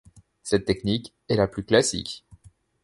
Cette technique est la plus classique.